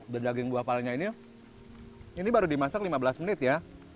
dan daging buah palanya ini ini baru dimasak lima belas menit ya